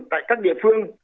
tại các địa phương